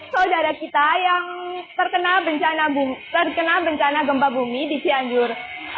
saudara kita yang terkena bencana gempa bumi di cianjur